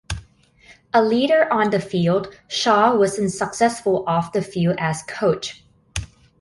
A leader on the field, Shaw was unsuccessful off the field as coach.